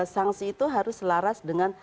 sanksi itu harus selaras dengan